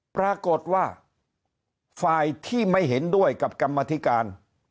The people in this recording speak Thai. ปรากฏว่าฝ่ายที่ไม่เห็นด้วยกับกรรมธิการ